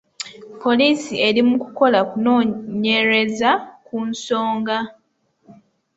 Poliisi eri mu kukola kunoonyeraza ku nsonga.